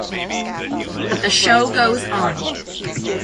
But the show goes on!